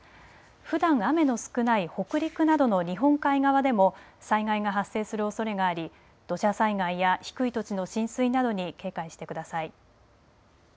ふだん雨の少ない北陸などの日本海側でも災害が発生するおそれがあり土砂災害や低い土地の浸水などに警戒してください。